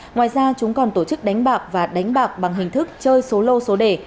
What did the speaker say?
ngoài ra chúng còn tổ chức đánh bạc và đánh bạc bằng hình thức chơi số lô số đề